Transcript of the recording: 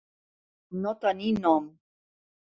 No tenir nom.